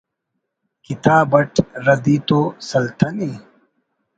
کتاب اٹ ردی تو سلتنے